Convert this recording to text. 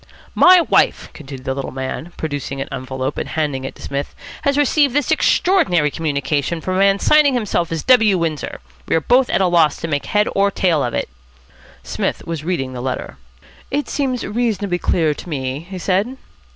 "My wife," continued the little man, producing an envelope and handing it to Psmith, "has received this extraordinary communication from a man signing himself W. Windsor. We are both at a loss to make head or tail of it." Psmith was reading the letter. "It seems reasonably clear to me," he said.